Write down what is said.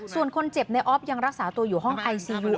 ส่วนคนเจ็บในออฟยังรักษาตัวอยู่ห้องไอซียู